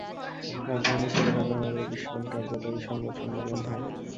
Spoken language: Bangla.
রাজধানীর শেরেবাংলা নগরে বিশ্বব্যাংক কার্যালয়ে এই সংবাদ সম্মেলন হয়।